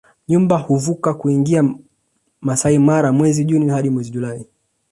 Nyumbu huvuka kuingia Maasai Mara mwezi Juni hadi mwezi Julai